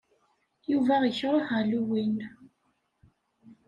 Yuba ikṛeh Halloween.